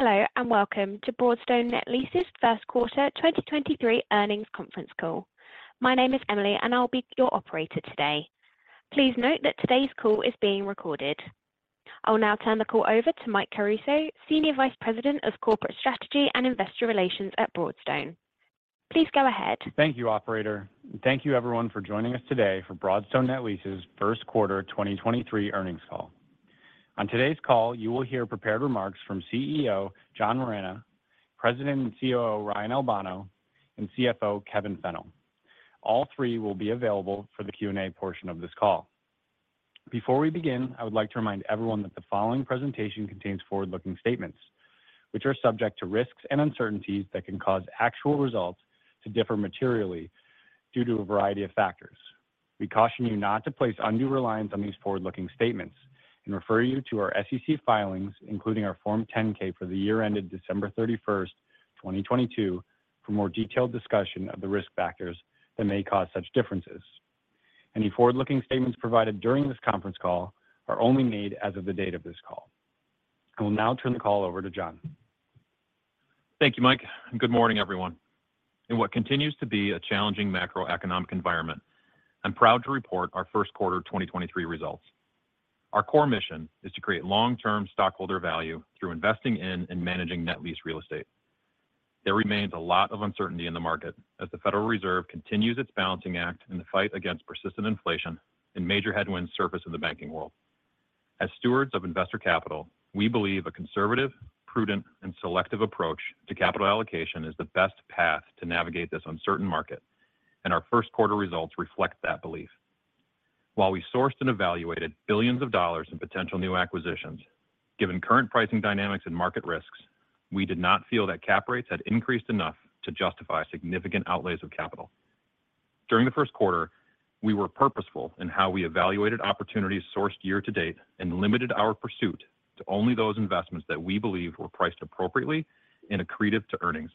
Hello and welcome to Broadstone Net Lease's first quarter 2023 earnings conference call. My name is Emily, and I'll be your operator today. Please note that today's call is being recorded. I'll now turn the call over to Michael Caruso, Senior Vice President of corporate strategy and investor relations at Broadstone. Please go ahead. Thank you, operator, and thank you everyone for joining us today for Broadstone Net Lease's first quarter 2023 earnings call. On today's call, you will hear prepared remarks from CEO, John Moragne, President and COO, Ryan Albano, and CFO, Kevin Fennell. All three will be available for the Q&A portion of this call. Before we begin, I would like to remind everyone that the following presentation contains forward-looking statements, which are subject to risks and uncertainties that can cause actual results to differ materially due to a variety of factors. We caution you not to place undue reliance on these forward-looking statements and refer you to our SEC filings, including our Form 10-K for the year ended December 31st, 2022 for more detailed discussion of the risk factors that may cause such differences. Any forward-looking statements provided during this conference call are only made as of the date of this call. I will now turn the call over to John. Thank you, Mike. Good morning, everyone. In what continues to be a challenging macroeconomic environment, I'm proud to report our first quarter 2023 results. Our core mission is to create long-term stockholder value through investing in and managing net lease real estate. There remains a lot of uncertainty in the market as the Federal Reserve continues its balancing act in the fight against persistent inflation and major headwinds surface in the banking world. As stewards of investor capital, we believe a conservative, prudent, and selective approach to capital allocation is the best path to navigate this uncertain market, and our first quarter results reflect that belief. While I sourced and evaluated billions of dollars in potential new acquisitions, given current pricing dynamics and market risks, we did not feel that cap rates had increased enough to justify significant outlays of capital. During the first quarter, we were purposeful in how we evaluated opportunities sourced year to date and limited our pursuit to only those investments that we believe were priced appropriately and accretive to earnings.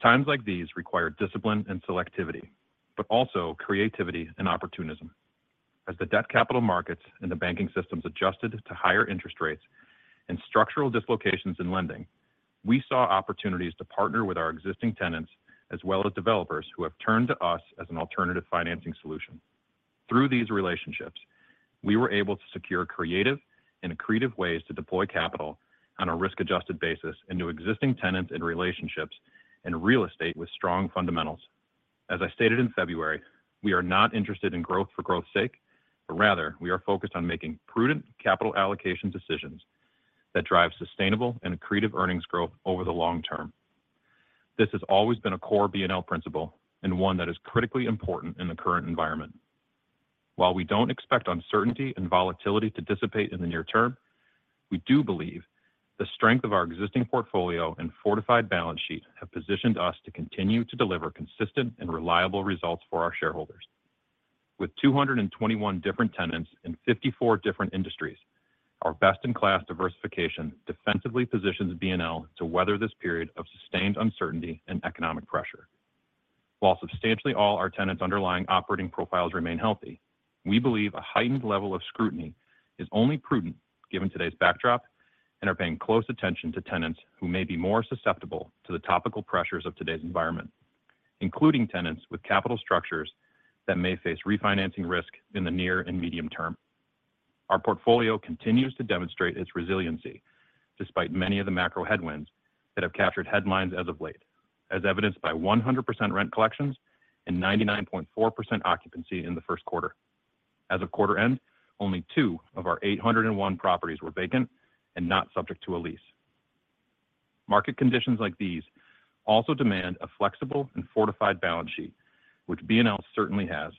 Times like these require discipline and selectivity, but also creativity and opportunism. As the debt capital markets and the banking systems adjusted to higher interest rates and structural dislocations in lending, we saw opportunities to partner with our existing tenants as well as developers who have turned to us as an alternative financing solution. Through these relationships, we were able to secure creative and accretive ways to deploy capital on a risk-adjusted basis into existing tenants and relationships and real estate with strong fundamentals. As I stated in February, we are not interested in growth for growth's sake, but rather we are focused on making prudent capital allocation decisions that drive sustainable and accretive earnings growth over the long term. This has always been a core BNL principle and one that is critically important in the current environment. While we don't expect uncertainty and volatility to dissipate in the near term, we do believe the strength of our existing portfolio and fortified balance sheet have positioned us to continue to deliver consistent and reliable results for our shareholders. With 221 different tenants in 54 different industries, our best in class diversification defensively positions BNL to weather this period of sustained uncertainty and economic pressure. While substantially all our tenants' underlying operating profiles remain healthy, we believe a heightened level of scrutiny is only prudent given today's backdrop and are paying close attention to tenants who may be more susceptible to the topical pressures of today's environment, including tenants with capital structures that may face refinancing risk in the near and medium term. Our portfolio continues to demonstrate its resiliency despite many of the macro headwinds that have captured headlines as of late, as evidenced by 100% rent collections and 99.4% occupancy in the first quarter. As of quarter end, only two of our 801 properties were vacant and not subject to a lease. Market conditions like these also demand a flexible and fortified balance sheet, which BNL certainly has.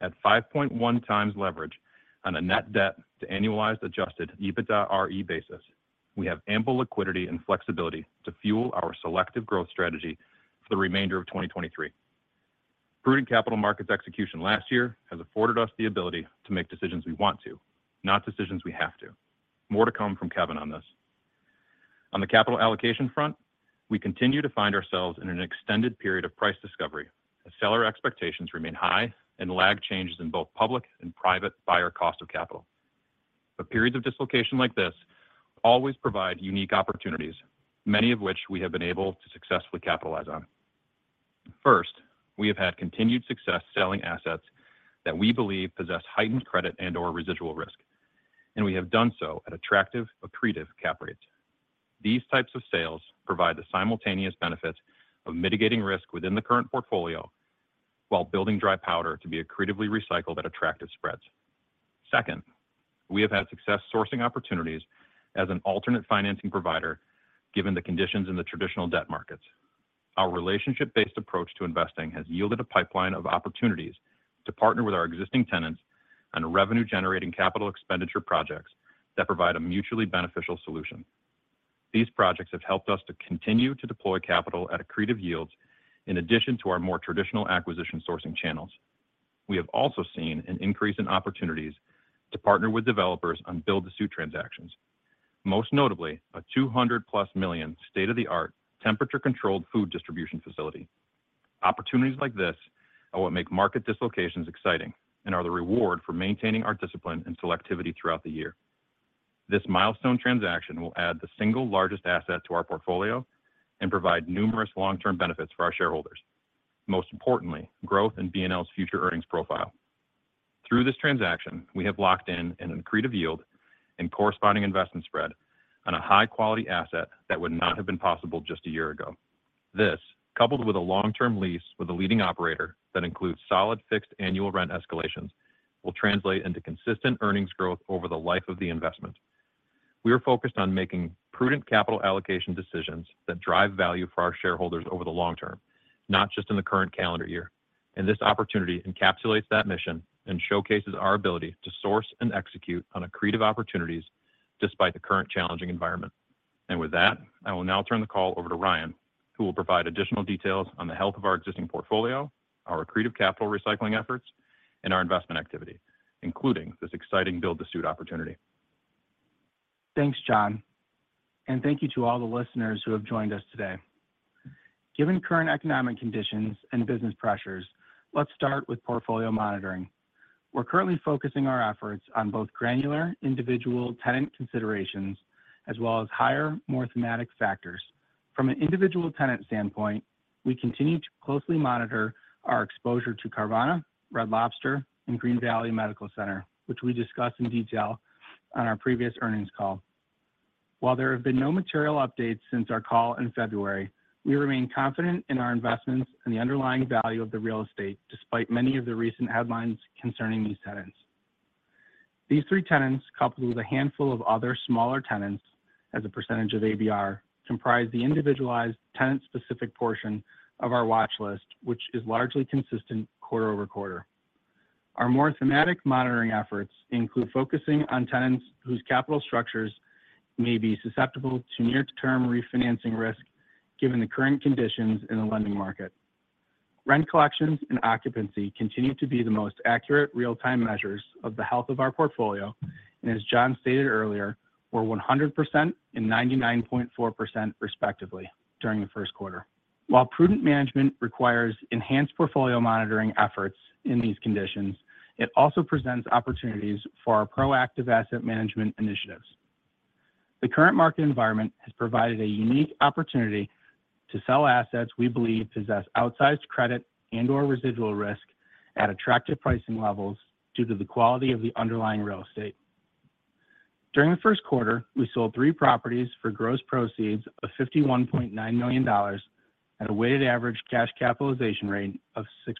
At 5.1x leverage on a Net Debt to Annualized Adjusted EBITDAre basis, we have ample liquidity and flexibility to fuel our selective growth strategy for the remainder of 2023. Prudent capital markets execution last year has afforded us the ability to make decisions we want to, not decisions we have to. More to come from Kevin on this. On the capital allocation front, we continue to find ourselves in an extended period of price discovery as seller expectations remain high and lag changes in both public and private buyer cost of capital. Periods of dislocation like this always provide unique opportunities, many of which we have been able to successfully capitalize on. First, we have had continued success selling assets that we believe possess heightened credit and/or residual risk, and we have done so at attractive accretive cap rates. These types of sales provide the simultaneous benefits of mitigating risk within the current portfolio while building dry powder to be accretively recycled at attractive spreads. We have had success sourcing opportunities as an alternate financing provider given the conditions in the traditional debt markets. Our relationship-based approach to investing has yielded a pipeline of opportunities to partner with our existing tenants on revenue-generating capital expenditure projects that provide a mutually beneficial solution. These projects have helped us to continue to deploy capital at accretive yields in addition to our more traditional acquisition sourcing channels. We have also seen an increase in opportunities to partner with developers on build-to-suit transactions. Most notably, a $200+ million state-of-the-art temperature-controlled food distribution facility. Opportunities like this are what make market dislocations exciting and are the reward for maintaining our discipline and selectivity throughout the year. This milestone transaction will add the single largest asset to our portfolio and provide numerous long-term benefits for our shareholders. Most importantly, growth in BNL's future earnings profile. Through this transaction, we have locked in an accretive yield and corresponding investment spread on a high-quality asset that would not have been possible just a year ago. This, coupled with a long-term lease with a leading operator that includes solid fixed annual rent escalations, will translate into consistent earnings growth over the life of the investment. We are focused on making prudent capital allocation decisions that drive value for our shareholders over the long term, not just in the current calendar year. This opportunity encapsulates that mission and showcases our ability to source and execute on accretive opportunities despite the current challenging environment. With that, I will now turn the call over to Ryan, who will provide additional details on the health of our existing portfolio, our accretive capital recycling efforts, and our investment activity, including this exciting build to suit opportunity. Thanks, John. Thank you to all the listeners who have joined us today. Given current economic conditions and business pressures, let's start with portfolio monitoring. We're currently focusing our efforts on both granular individual tenant considerations as well as higher, more thematic factors. From an individual tenant standpoint, we continue to closely monitor our exposure to Carvana, Red Lobster, and Green Valley Medical Center, which we discussed in detail on our previous earnings call. While there have been no material updates since our call in February, we remain confident in our investments and the underlying value of the real estate, despite many of the recent headlines concerning these tenants. These three tenants, coupled with a handful of other smaller tenants as a % of ABR, comprise the individualized tenant-specific portion of our watch list, which is largely consistent quarter-over-quarter. Our more thematic monitoring efforts include focusing on tenants whose capital structures may be susceptible to near-term refinancing risk given the current conditions in the lending market. Rent collections and occupancy continue to be the most accurate real-time measures of the health of our portfolio. As John stated earlier, were 100% and 99.4% respectively during the first quarter. While prudent management requires enhanced portfolio monitoring efforts in these conditions, it also presents opportunities for our proactive asset management initiatives. The current market environment has provided a unique opportunity to sell assets we believe possess outsized credit and/or residual risk at attractive pricing levels due to the quality of the underlying real estate. During the first quarter, we sold three properties for gross proceeds of $51.9 million at a weighted average cash capitalization rate of 6%.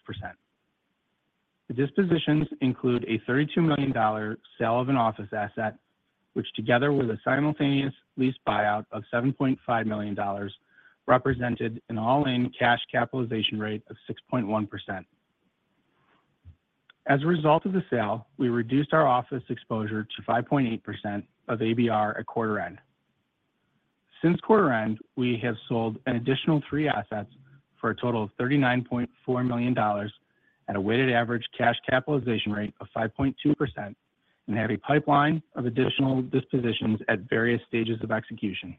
The dispositions include a $32 million sale of an office asset, which together with a simultaneous lease buyout of $7.5 million, represented an all-in cash capitalization rate of 6.1%. As a result of the sale, we reduced our office exposure to 5.8% of ABR at quarter end. Since quarter end, we have sold an additional three assets for a total of $39.4 million at a weighted average cash capitalization rate of 5.2% and have a pipeline of additional dispositions at various stages of execution.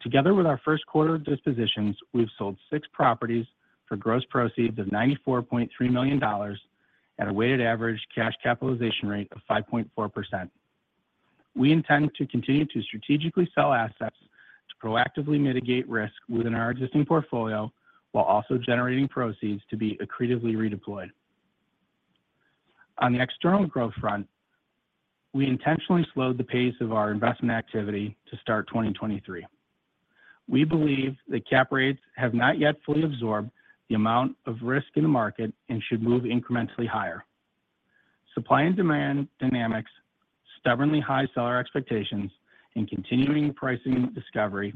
Together with our first quarter dispositions, we've sold six properties for gross proceeds of $94.3 million at a weighted average cash capitalization rate of 5.4%. We intend to continue to strategically sell assets to proactively mitigate risk within our existing portfolio while also generating proceeds to be accretively redeployed. On the external growth front, we intentionally slowed the pace of our investment activity to start 2023. We believe that cap rates have not yet fully absorbed the amount of risk in the market and should move incrementally higher. Supply and demand dynamics, stubbornly high seller expectations, and continuing pricing discovery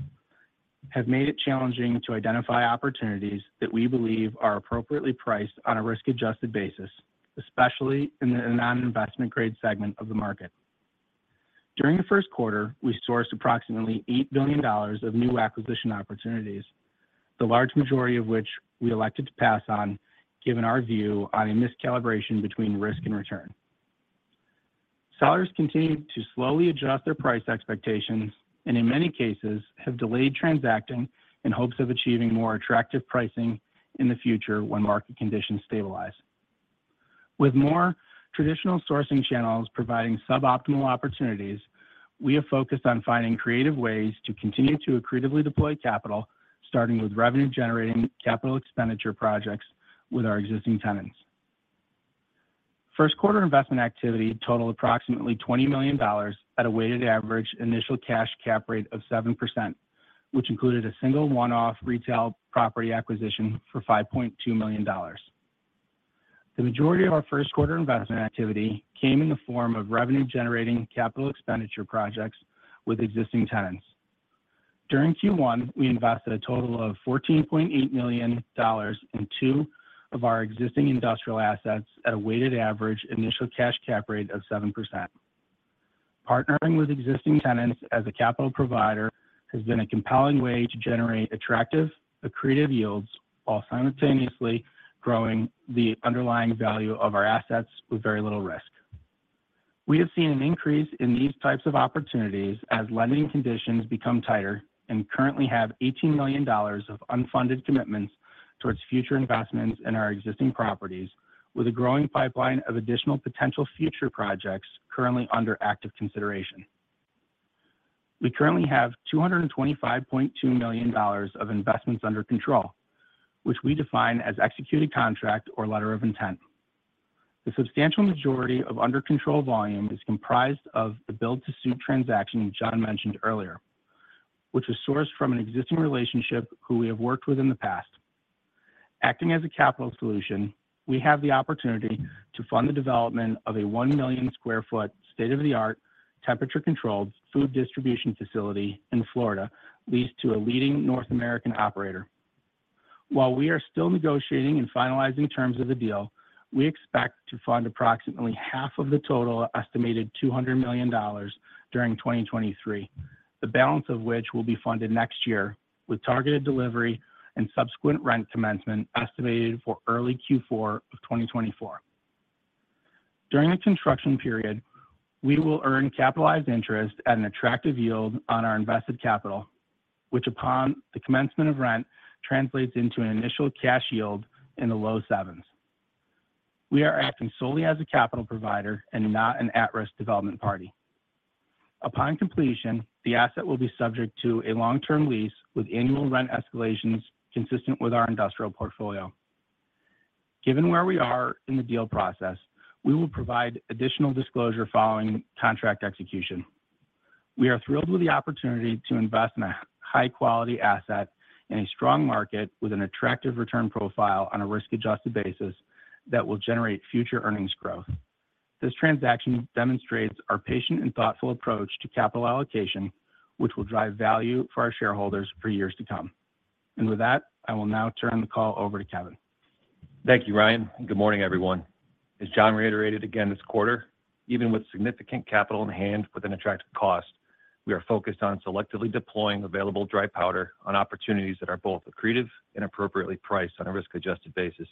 have made it challenging to identify opportunities that we believe are appropriately priced on a risk-adjusted basis, especially in the non-investment grade segment of the market. During the first quarter, we sourced approximately $8 billion of new acquisition opportunities, the large majority of which we elected to pass on given our view on a miscalibration between risk and return. Sellers continued to slowly adjust their price expectations. In many cases have delayed transacting in hopes of achieving more attractive pricing in the future when market conditions stabilize. With more traditional sourcing channels providing suboptimal opportunities, we have focused on finding creative ways to continue to accretively deploy capital, starting with revenue generating capital expenditure projects with our existing tenants. First quarter investment activity totaled approximately $20 million at a weighted average initial cash cap rate of 7%, which included a single one-off retail property acquisition for $5.2 million. The majority of our first quarter investment activity came in the form of revenue generating capital expenditure projects with existing tenants. During Q1, we invested a total of $14.8 million in two of our existing industrial assets at a weighted average initial cash cap rate of 7%. Partnering with existing tenants as a capital provider has been a compelling way to generate attractive, accretive yields while simultaneously growing the underlying value of our assets with very little risk. We have seen an increase in these types of opportunities as lending conditions become tighter and currently have $18 million of unfunded commitments towards future investments in our existing properties with a growing pipeline of additional potential future projects currently under active consideration. We currently have $225.2 million of investments under control, which we define as executed contract or letter of intent. The substantial majority of under control volume is comprised of the build to suit transaction John mentioned earlier, which was sourced from an existing relationship who we have worked with in the past. Acting as a capital solution, we have the opportunity to fund the development of a 1 million sq ft state-of-the-art temperature controlled food distribution facility in Florida leased to a leading North American operator. While we are still negotiating and finalizing terms of the deal, we expect to fund approximately half of the total estimated $200 million during 2023. The balance of which will be funded next year with targeted delivery and subsequent rent commencement estimated for early Q4 of 2024. During the construction period, we will earn capitalized interest at an attractive yield on our invested capital, which upon the commencement of rent translates into an initial cash yield in the low 7s. We are acting solely as a capital provider and not an at-risk development party. Upon completion, the asset will be subject to a long-term lease with annual rent escalations consistent with our industrial portfolio. Given where we are in the deal process, we will provide additional disclosure following contract execution. We are thrilled with the opportunity to invest in a high-quality asset in a strong market with an attractive return profile on a risk-adjusted basis that will generate future earnings growth. This transaction demonstrates our patient and thoughtful approach to capital allocation, which will drive value for our shareholders for years to come. With that, I will now turn the call over to Kevin. Thank you, Ryan. Good morning, everyone. As John reiterated again this quarter, even with significant capital on hand with an attractive cost, we are focused on selectively deploying available dry powder on opportunities that are both accretive and appropriately priced on a risk-adjusted basis.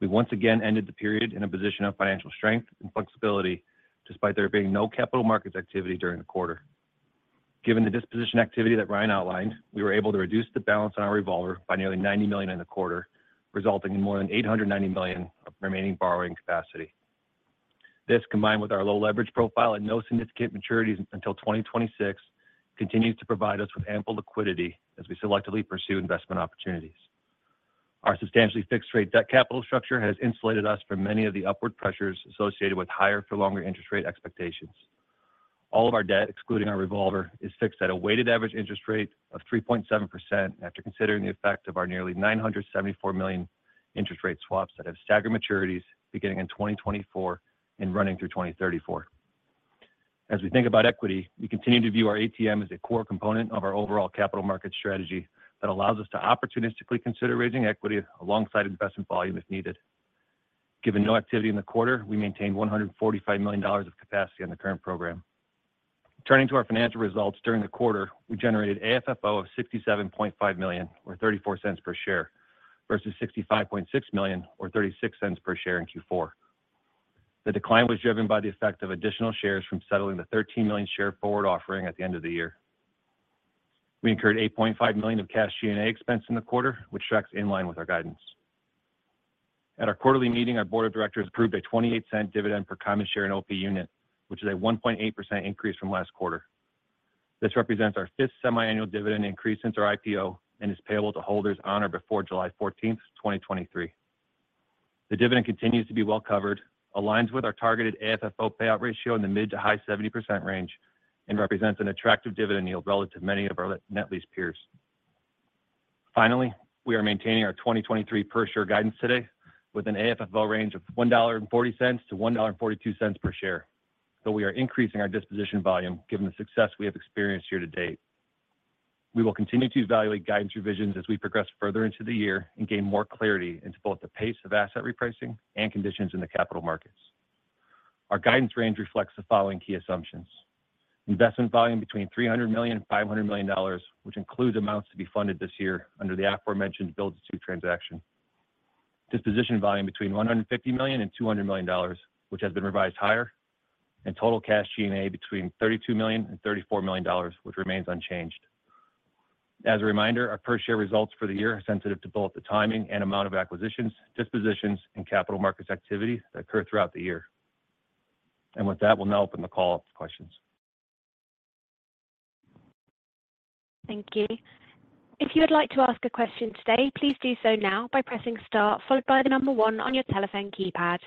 We once again ended the period in a position of financial strength and flexibility despite there being no capital market activity during the quarter. Given the disposition activity that Ryan outlined, we were able to reduce the balance on our revolver by nearly $90 million in the quarter, resulting in more than $890 million of remaining borrowing capacity. This, combined with our low leverage profile and no significant maturities until 2026, continues to provide us with ample liquidity as we selectively pursue investment opportunities. Our substantially fixed rate debt capital structure has insulated us from many of the upward pressures associated with higher for longer interest rate expectations. All of our debt, excluding our revolver, is fixed at a weighted average interest rate of 3.7% after considering the effect of our nearly $974 million interest rate swaps that have staggered maturities beginning in 2024 and running through 2034. As we think about equity, we continue to view our ATM as a core component of our overall capital market strategy that allows us to opportunistically consider raising equity alongside investment volume if needed. Given no activity in the quarter, we maintained $145 million of capacity on the current program. Turning to our financial results, during the quarter, we generated AFFO of $67.5 million or $0.34 per share, versus $65.6 million or $0.36 per share in Q4. The decline was driven by the effect of additional shares from settling the 13 million share forward offering at the end of the year. We incurred $8.5 million of cash G&A expense in the quarter, which tracks in line with our guidance. At our quarterly meeting, our board of directors approved a $0.28 dividend per common share in OP Unit, which is a 1.8% increase from last quarter. This represents our fifth semiannual dividend increase since our IPO and is payable to holders on or before July 14th, 2023. The dividend continues to be well covered, aligns with our targeted AFFO payout ratio in the mid to high 70% range, and represents an attractive dividend yield relative to many of our net lease peers. Finally, we are maintaining our 2023 per share guidance today with an AFFO range of $1.40 to $1.42 per share, though we are increasing our disposition volume given the success we have experienced year to date. We will continue to evaluate guidance revisions as we progress further into the year and gain more clarity into both the pace of asset repricing and conditions in the capital markets. Our guidance range reflects the following key assumptions. Investment volume between $300 million and $500 million, which includes amounts to be funded this year under the aforementioned build to suit transaction. Disposition volume between $150 million and $200 million, which has been revised higher. Total cash G&A between $32 million and $34 million, which remains unchanged. As a reminder, our per share results for the year are sensitive to both the timing and amount of acquisitions, dispositions, and capital markets activity that occur throughout the year. With that, we'll now open the call up to questions. Thank you. If you would like to ask a question today, please do so now by pressing star followed by the number one on your telephone keypad.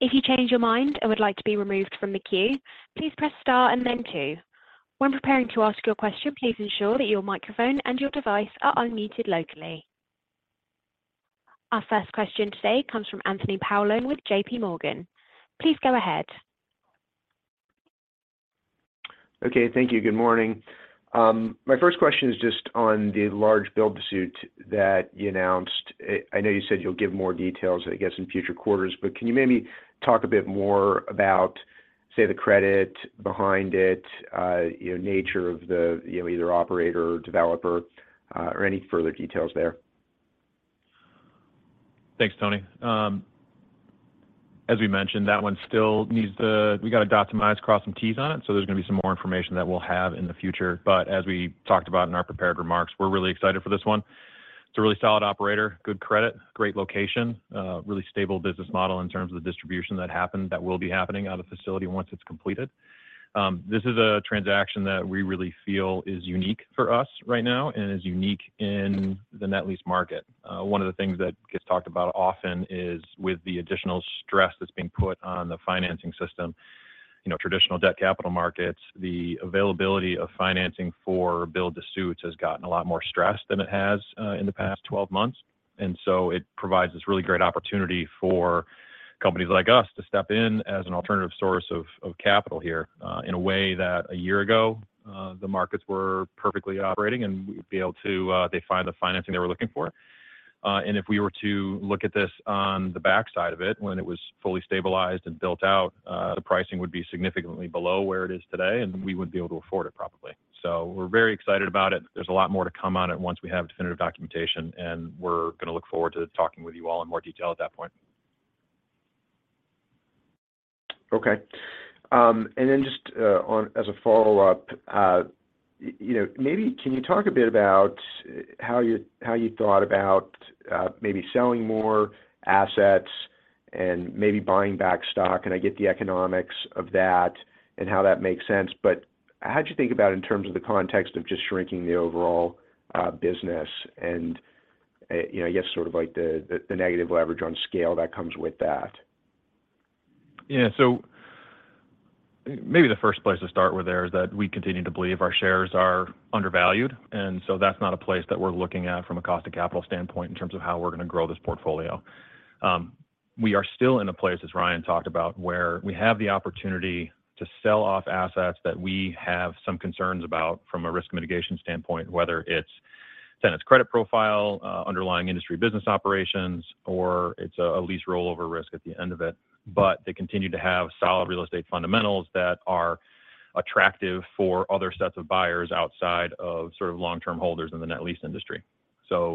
If you change your mind and would like to be removed from the queue, please press star and then two. When preparing to ask your question, please ensure that your microphone and your device are unmuted locally. Our first question today comes from Anthony Paolone with JPMorgan. Please go ahead. Okay. Thank you. Good morning. My first question is just on the large build to suit that you announced. I know you said you'll give more details, I guess, in future quarters, but can you maybe talk a bit more about, say, the credit behind it, you know, nature of the, you know, either operator or developer, or any further details there? Thanks, Tony. As we mentioned, We got to dot some I's, cross some T's on it, so there's gonna be some more information that we'll have in the future. As we talked about in our prepared remarks, we're really excited for this one. It's a really solid operator, good credit, great location, really stable business model in terms of the distribution that happened, that will be happening out of the facility once it's completed. This is a transaction that we really feel is unique for us right now and is unique in the net lease market. One of the things that gets talked about often is with the additional stress that's being put on the financing system, you know, traditional debt capital markets, the availability of financing for build to suits has gotten a lot more stressed than it has, in the past 12 months. It provides this really great opportunity for companies like us to step in as an alternative source of capital here, in a way that a year ago, the markets were perfectly operating, and we would be able to, they find the financing they were looking for. If we were to look at this on the backside of it when it was fully stabilized and built out, the pricing would be significantly below where it is today, and we wouldn't be able to afford it, probably. We're very excited about it. There's a lot more to come on it once we have definitive documentation, and we're gonna look forward to talking with you all in more detail at that point. Okay. Then just on as a follow-up, you know, maybe can you talk a bit about how you, how you thought about maybe selling more assets and maybe buying back stock? And I get the economics of that and how that makes sense, but how'd you think about in terms of the context of just shrinking the overall business and, you know, I guess sort of like the negative leverage on scale that comes with that? Yeah. Maybe the first place to start with there is that we continue to believe our shares are undervalued, that's not a place that we're looking at from a cost to capital standpoint in terms of how we're gonna grow this portfolio. We are still in a place, as Ryan talked about, where we have the opportunity to sell off assets that we have some concerns about from a risk mitigation standpoint, whether it's tenant's credit profile, underlying industry business operations, or it's a lease rollover risk at the end of it. They continue to have solid real estate fundamentals that are attractive for other sets of buyers outside of sort of long-term holders in the net lease industry.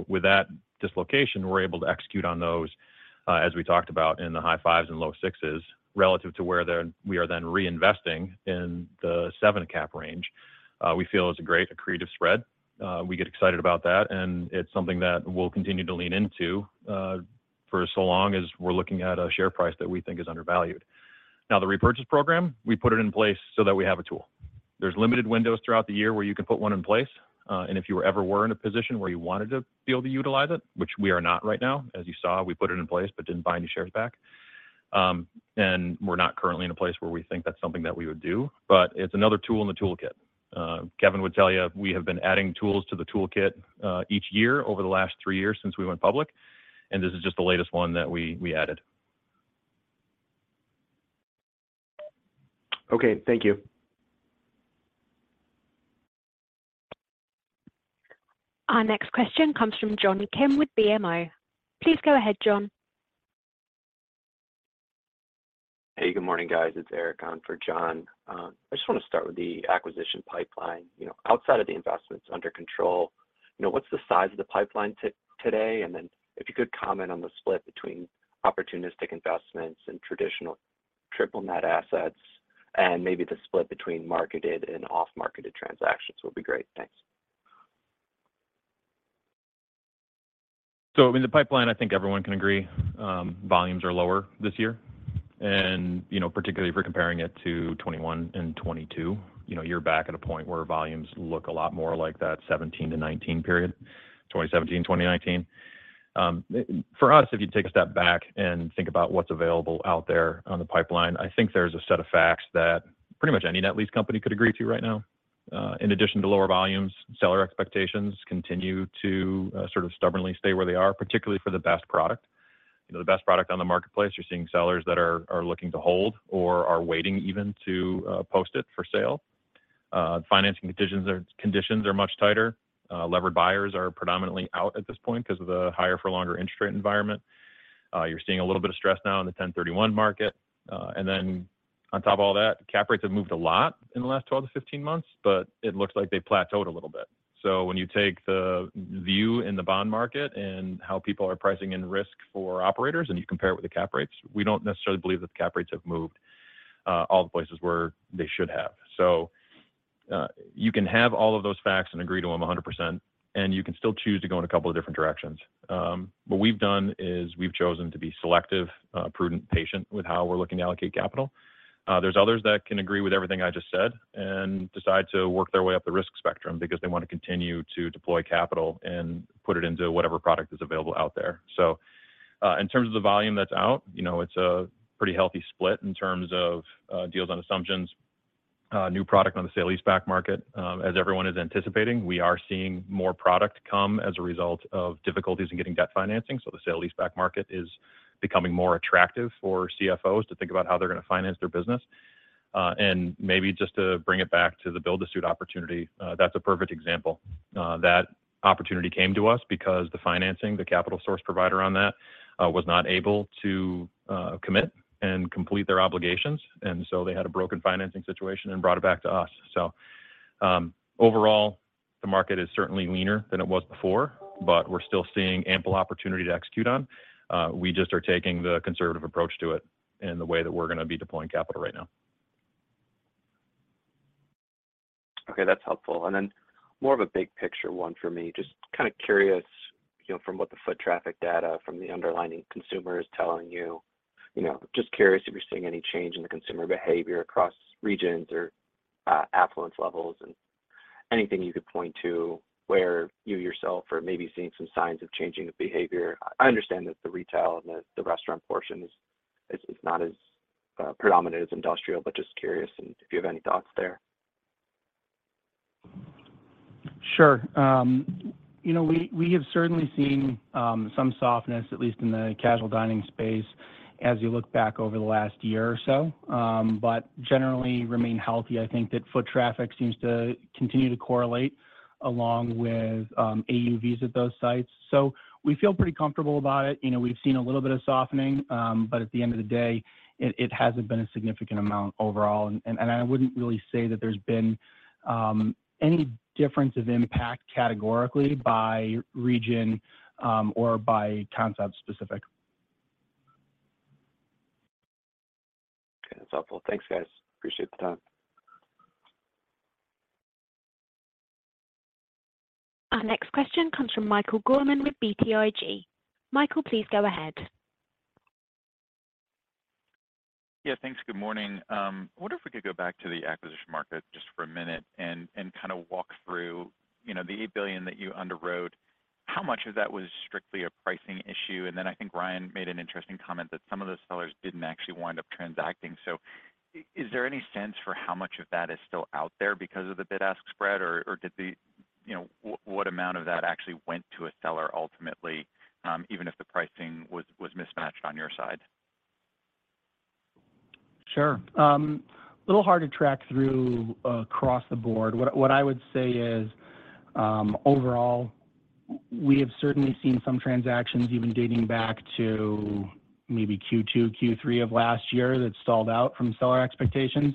With that dislocation, we're able to execute on those, as we talked about in the high 5s and low 6s relative to where we are then reinvesting in the 7 cap range, we feel is a great accretive spread. We get excited about that, and it's something that we'll continue to lean into, for so long as we're looking at a share price that we think is undervalued. The repurchase program, we put it in place so that we have a tool. There's limited windows throughout the year where you can put one in place, and if you ever were in a position where you wanted to be able to utilize it, which we are not right now, as you saw, we put it in place but didn't buy any shares back. We're not currently in a place where we think that's something that we would do, but it's another tool in the toolkit. Kevin would tell you, we have been adding tools to the toolkit, each year over the last three years since we went public, and this is just the latest one that we added. Okay. Thank you. Our next question comes from John Kim with BMO. Please go ahead, John. Hey, good morning, guys. It's Eric on for John. I just want to start with the acquisition pipeline. You know, outside of the investments under control, you know, what's the size of the pipeline today? If you could comment on the split between opportunistic investments and traditional triple net assets and maybe the split between marketed and off-market transactions will be great. Thanks. In the pipeline, I think everyone can agree, volumes are lower this year. You know, particularly if you're comparing it to 2021 and 2022, you know, you're back at a point where volumes look a lot more like that 2017-2019 period, 2017-2019. For us, if you take a step back and think about what's available out there on the pipeline, I think there's a set of facts that pretty much any net lease company could agree to right now. In addition to lower volumes, seller expectations continue to sort of stubbornly stay where they are, particularly for the best product. You know, the best product on the marketplace, you're seeing sellers that are looking to hold or are waiting even to post it for sale. Financing conditions are much tighter. Levered buyers are predominantly out at this point because of the higher for longer interest rate environment. You're seeing a little bit of stress now in the 1031 market. On top of all that, cap rates have moved a lot in the last 12-15 months, but it looks like they've plateaued a little bit. When you take the view in the bond market and how people are pricing in risk for operators, and you compare it with the cap rates, we don't necessarily believe that the cap rates have moved all the places where they should have. You can have all of those facts and agree to them 100%, and you can still choose to go in a couple of different directions. What we've done is we've chosen to be selective, prudent, patient with how we're looking to allocate capital. There's others that can agree with everything I just said and decide to work their way up the risk spectrum because they want to continue to deploy capital and put it into whatever product is available out there. In terms of the volume that's out, you know, it's a pretty healthy split in terms of deals on assumptions, new product on the sale-leaseback market. As everyone is anticipating, we are seeing more product come as a result of difficulties in getting debt financing, so the sale-leaseback market is becoming more attractive for CFOs to think about how they're gonna finance their business. Maybe just to bring it back to the build-to-suit opportunity, that's a perfect example. that opportunity came to us because the financing, the capital source provider on that, was not able to commit and complete their obligations, and so they had a broken financing situation and brought it back to us. Overall, the market is certainly leaner than it was before, but we're still seeing ample opportunity to execute on. we just are taking the conservative approach to it in the way that we're gonna be deploying capital right now. Okay, that's helpful. More of a big picture one for me. Just kind of curious, you know, from what the foot traffic data from the underlying consumer is telling you. You know, just curious if you're seeing any change in the consumer behavior across regions or affluence levels, anything you could point to where you yourself are maybe seeing some signs of changing of behavior. I understand that the retail and the restaurant portion is not as predominant as industrial, just curious if you have any thoughts there. Sure. You know, we have certainly seen some softness, at least in the casual dining space as you look back over the last year or so. Generally remain healthy. I think that foot traffic seems to continue to correlate along with AUVs at those sites. We feel pretty comfortable about it. You know, we've seen a little bit of softening, but at the end of the day, it hasn't been a significant amount overall. I wouldn't really say that there's been any difference of impact categorically by region, or by concept specific. Okay. That's helpful. Thanks, guys. Appreciate the time. Our next question comes from Michael Gorman with BTIG. Michael, please go ahead. Yeah, thanks. Good morning. I wonder if we could go back to the acquisition market just for a minute and kinda walk through, you know, the $8 billion that you underwrote. How much of that was strictly a pricing issue? Then I think Ryan made an interesting comment that some of those sellers didn't actually wind up transacting. Is there any sense for how much of that is still out there because of the bid-ask spread or did the... You know, what amount of that actually went to a seller ultimately, even if the pricing was mismatched on your side? Sure. A little hard to track through across the board. What I would say is, overall we have certainly seen some transactions, even dating back to maybe Q2-Q3 of last year that stalled out from seller expectations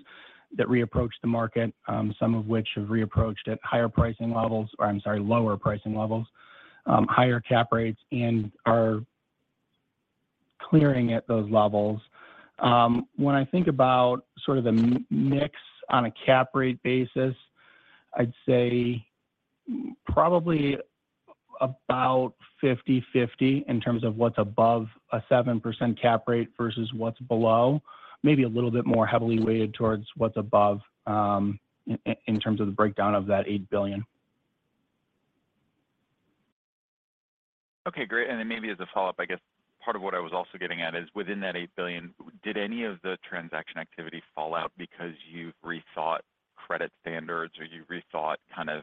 that reapproached the market, some of which have reapproached at higher pricing levels, or I'm sorry, lower pricing levels, higher cap rates and are clearing at those levels. When I think about sort of the mix on a cap rate basis, I'd say probably about 50/50 in terms of what's above a 7% cap rate versus what's below. Maybe a little bit more heavily weighted towards what's above, in terms of the breakdown of that $8 billion. Okay, great. Then maybe as a follow-up, I guess part of what I was also getting at is, within that $8 billion, did any of the transaction activity fall out because you rethought credit standards or you rethought kind of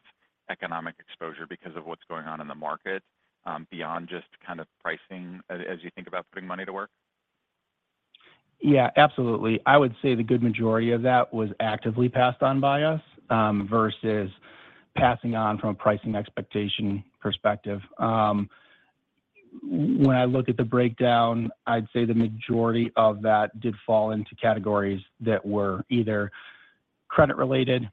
economic exposure because of what's going on in the market, beyond just kind of pricing as you think about putting money to work? Absolutely. I would say the good majority of that was actively passed on by us, versus passing on from a pricing expectation perspective. When I look at the breakdown, I'd say the majority of that did fall into categories that were either credit related,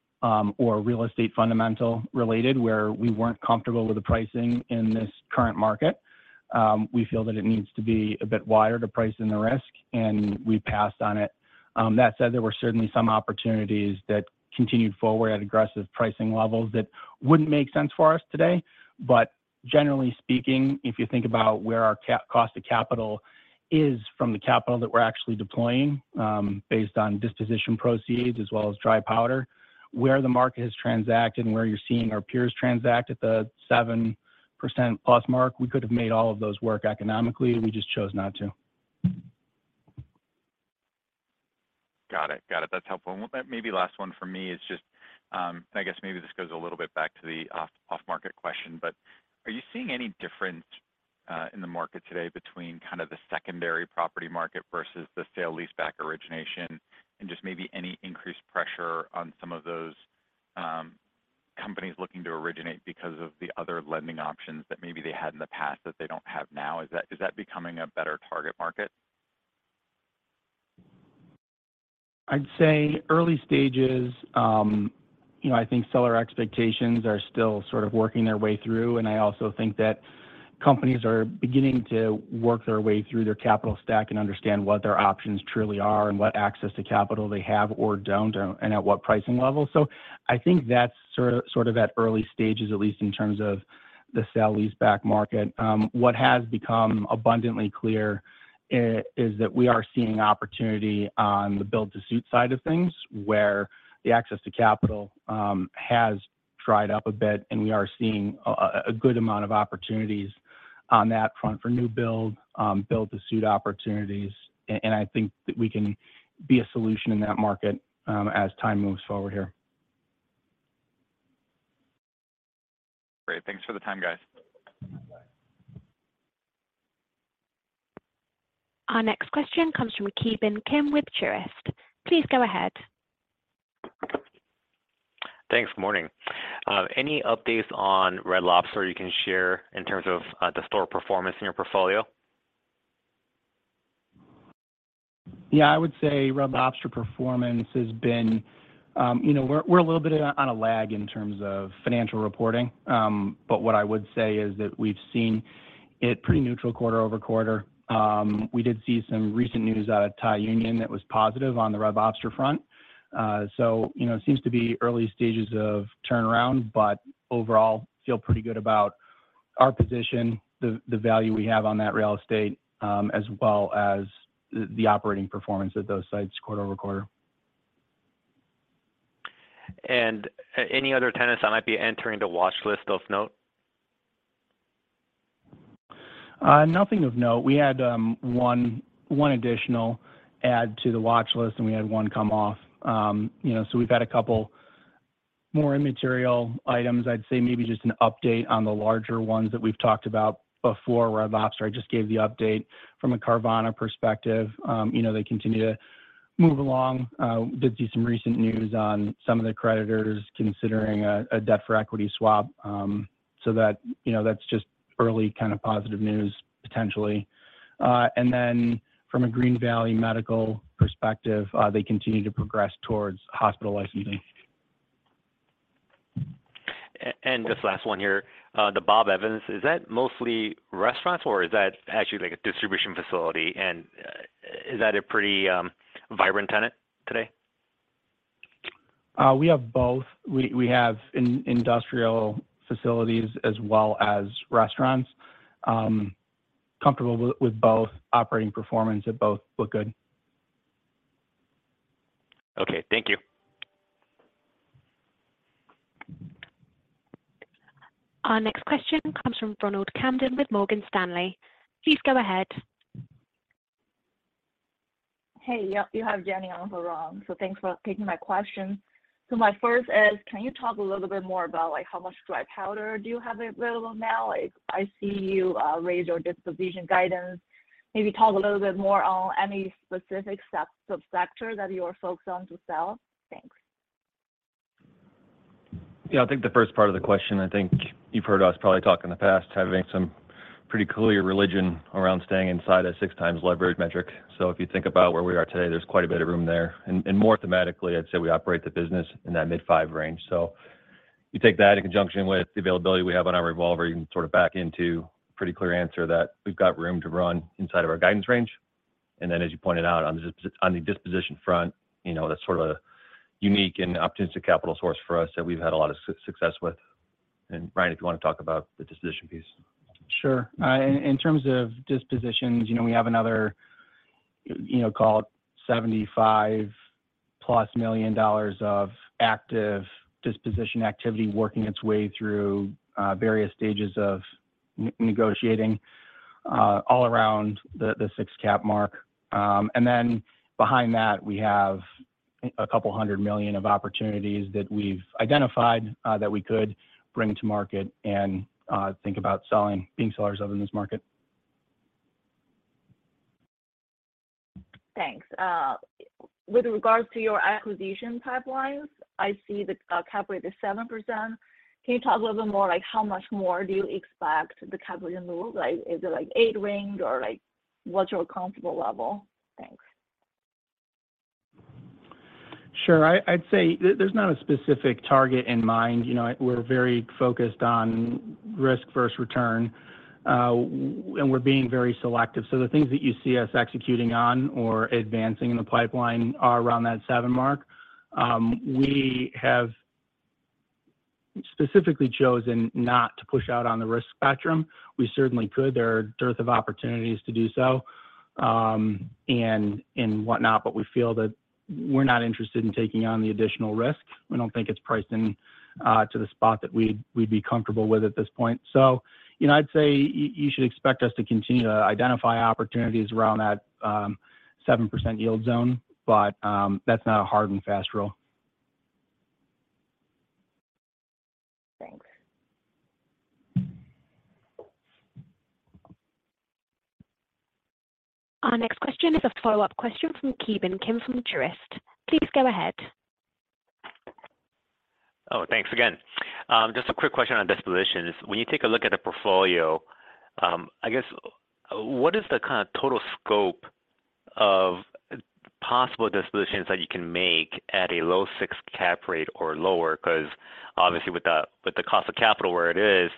or real estate fundamental related, where we weren't comfortable with the pricing in this current market. We feel that it needs to be a bit wider to price in the risk, and we passed on it. That said, there were certainly some opportunities that continued forward at aggressive pricing levels that wouldn't make sense for us today. Generally speaking, if you think about where our cost of capital is from the capital that we're actually deploying, based on disposition proceeds as well as dry powder, where the market has transacted and where you're seeing our peers transact at the 7% plus mark, we could have made all of those work economically, we just chose not to. Got it. Got it. That's helpful. Then maybe last one from me is just, and I guess maybe this goes a little bit back to the off-market question, but are you seeing any difference in the market today between kind of the secondary property market versus the sale-leaseback origination and just maybe any increased pressure on some of those companies looking to originate because of the other lending options that maybe they had in the past that they don't have now? Is that becoming a better target market? I'd say early stages. You know, I think seller expectations are still sort of working their way through, and I also think that companies are beginning to work their way through their capital stack and understand what their options truly are and what access to capital they have or don't and at what pricing level. I think that's sort of, sort of at early stages, at least in terms of the sale-leaseback market. What has become abundantly clear is that we are seeing opportunity on the build to suit side of things, where the access to capital, has dried up a bit, and we are seeing a good amount of opportunities on that front for new build to suit opportunities. I think that we can be a solution in that market, as time moves forward here. Great. Thanks for the time, guys. Our next question comes from Ki Bin Kim with Truist. Please go ahead. Thanks. Morning. Any updates on Red Lobster you can share in terms of the store performance in your portfolio? I would say Red Lobster performance has been, you know, we're a little bit on a lag in terms of financial reporting. What I would say is that we've seen it pretty neutral quarter-over-quarter. We did see some recent news out of Thai Union that was positive on the Red Lobster front. You know, it seems to be early stages of turnaround, but overall feel pretty good about our position, the value we have on that real estate, as well as the operating performance at those sites quarter-over-quarter. Any other tenants that might be entering the watch list of note? Nothing of note. We had one additional add to the watchlist, we had one come off. You know, we've had a couple more immaterial items. I'd say maybe just an update on the larger ones that we've talked about before, Red Lobster, I just gave the update from a Carvana perspective. You know, they continue to move along. Did see some recent news on some of the creditors considering a debt for equity swap, you know, that's just early kind of positive news potentially. From a Green Valley Medical perspective, they continue to progress towards hospital licensing. Just last one here. The Bob Evans, is that mostly restaurants or is that actually like a distribution facility? Is that a pretty, vibrant tenant today? We have both. We have industrial facilities as well as restaurants. Comfortable with both. Operating performance of both look good. Okay. Thank you. Our next question comes from Ronald Kamdem with Morgan Stanley. Please go ahead. Hey, yeah, you have Jenny Alper. Thanks for taking my question. My first is, can you talk a little bit more about, like, how much dry powder do you have available now? Like, I see you raised your disposition guidance. Maybe talk a little bit more on any specific sub-subsector that you're focused on to sell. Thanks. I think the first part of the question, I think you've heard us probably talk in the past, having some pretty clear religion around staying inside a 6x leverage metric. If you think about where we are today, there's quite a bit of room there. More thematically, I'd say we operate the business in that mid-5 range. You take that in conjunction with the availability we have on our revolver, you can sort of back into pretty clear answer that we've got room to run inside of our guidance range. As you pointed out on the disposition front, you know, that's sort of a unique and opportunistic capital source for us that we've had a lot of success with. Ryan, if you wanna talk about the disposition piece. Sure. In terms of dispositions, you know, we have another, you know, call it $75+ million of active disposition activity working its way through various stages of negotiating, all around the 6 cap mark. Then behind that, we have $200 million of opportunities that we've identified, that we could bring to market and think about selling, being sellers of in this market. Thanks. With regards to your acquisition pipelines, I see the cap rate is 7%. Can you talk a little bit more like how much more do you expect the cap rate to move? Like, is it like 8 range or like what's your comfortable level? Thanks. Sure. I'd say there's not a specific target in mind. You know, we're very focused on risk first return, and we're being very selective. The things that you see us executing on or advancing in the pipeline are around that seven mark. We have specifically chosen not to push out on the risk spectrum. We certainly could. There are a dearth of opportunities to do so, and whatnot, but we feel that we're not interested in taking on the additional risk. We don't think it's pricing to the spot that we'd be comfortable with at this point. You know, I'd say you should expect us to continue to identify opportunities around that 7% yield zone. That's not a hard and fast rule. Thanks. Our next question is a follow-up question from Ki Bin Kim from Truist. Please go ahead. Thanks again. Just a quick question on dispositions? When you take a look at the portfolio, I guess what is the kind of total scope of possible dispositions that you can make at a low 6 cap rate or lower? 'Cause obviously with the cost of capital where it is,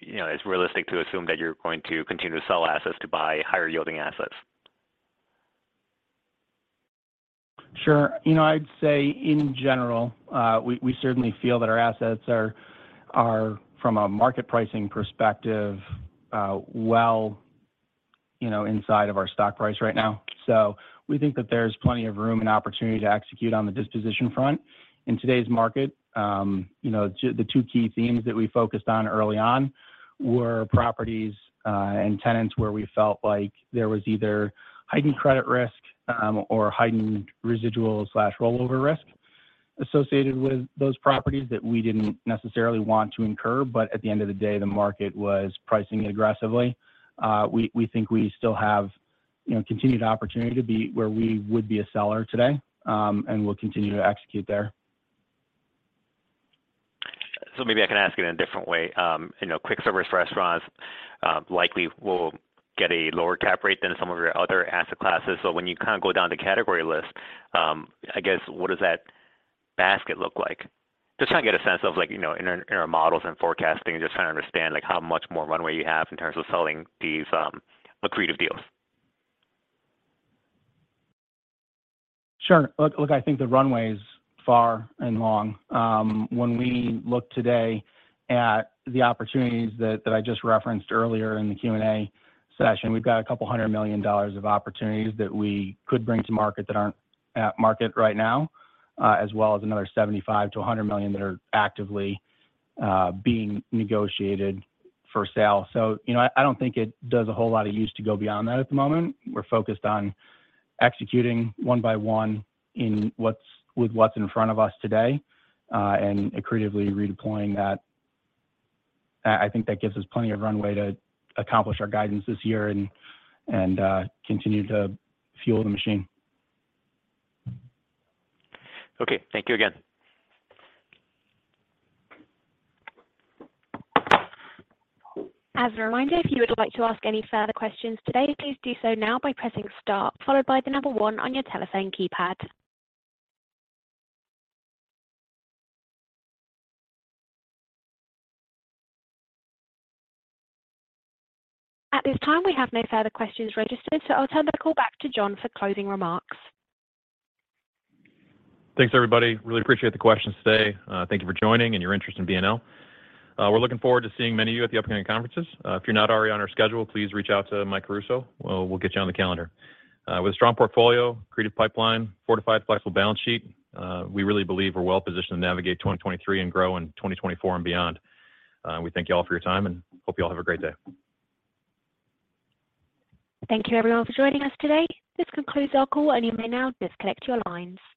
you know, it's realistic to assume that you're going to continue to sell assets to buy higher yielding assets. Sure. You know, I'd say in general, we certainly feel that our assets are from a market pricing perspective, well, you know, inside of our stock price right now. We think that there's plenty of room and opportunity to execute on the disposition front. In today's market, the two key themes that we focused on early on were properties, and tenants where we felt like there was either heightened credit risk, or heightened residual/rollover risk associated with those properties that we didn't necessarily want to incur, but at the end of the day, the market was pricing aggressively. We think we still have, you know, continued opportunity to be where we would be a seller today, and we'll continue to execute there. Maybe I can ask it in a different way. you know, quick service restaurants, likely will get a lower cap rate than some of your other asset classes. When you kind of go down the category list, I guess what does that basket look like? Just trying to get a sense of like, you know, in our models and forecasting, just trying to understand, like, how much more runway you have in terms of selling these, accretive deals. Sure. Look, I think the runway is far and long. When we look today at the opportunities that I just referenced earlier in the Q&A session, we've got $200 million of opportunities that we could bring to market that aren't at market right now, as well as another $75 million-$100 million that are actively being negotiated for sale. You know, I don't think it does a whole lot of use to go beyond that at the moment. We're focused on executing one by one with what's in front of us today, and accretively redeploying that. I think that gives us plenty of runway to accomplish our guidance this year and continue to fuel the machine. Okay. Thank you again. As a reminder, if you would like to ask any further questions today, please do so now by pressing star followed by the one on your telephone keypad. At this time, we have no further questions registered, I'll turn the call back to John for closing remarks. Thanks, everybody. Really appreciate the questions today. Thank you for joining and your interest in BNL. We're looking forward to seeing many of you at the upcoming conferences. If you're not already on our schedule, please reach out to Michael Caruso. We'll get you on the calendar. With a strong portfolio, accretive pipeline, fortified flexible balance sheet, we really believe we're well positioned to navigate 2023 and grow in 2024 and beyond. We thank you all for your time and hope you all have a great day. Thank you everyone for joining us today. This concludes our call. You may now disconnect your lines.